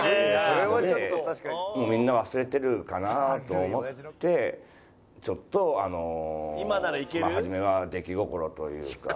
もうみんな忘れてるかなと思ってちょっとあのまあ初めは出来心というか。